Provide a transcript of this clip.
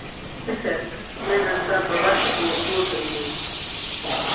É certo, medran tanto a base como o fútbol feminino.